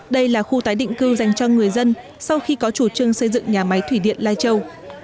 đây là khu tái định cư dành cho người dân sau khi có chủ trương xây dựng nhà máy thủy điện lai châu